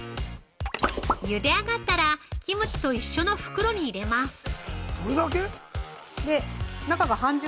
◆ゆで上がったらキムチと一緒の袋に入れます。